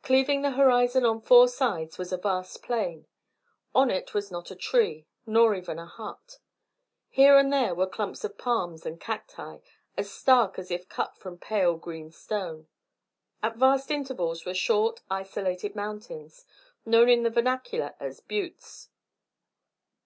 Cleaving the horizon on four sides was a vast plain. On it was not a tree, nor even a hut. Here and there were clumps of palms and cacti, as stark as if cut from pale green stone. At vast intervals were short, isolated mountains, known in the vernacular as "buttes."